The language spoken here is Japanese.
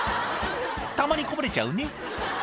たまにこぼれちゃうね」